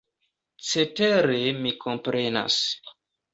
Cetere mi komprenas!